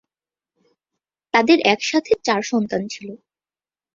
তাঁদের এক সাথে চার সন্তান ছিল।